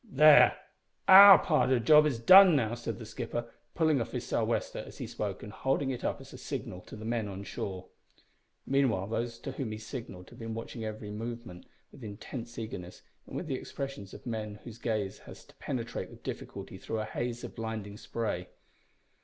"There, our part o' the job is done now," said the skipper, pulling off his sou' wester as he spoke and holding it up as a signal to the men on shore. Meanwhile those to whom he signalled had been watching every movement with intense eagerness, and with the expressions of men whose gaze has to penetrate with difficulty through a haze of blinding spray.